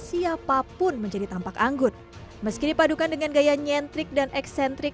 siapapun menjadi tampak anggut meski dipadukan dengan gaya nyentrik dan eksentrik